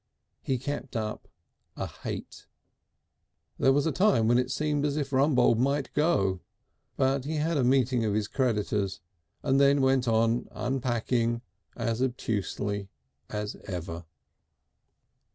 He kept up a Hate. There was a time when it seemed as if Rumbold might go, but he had a meeting of his creditors and then went on unpacking as obtusely as ever.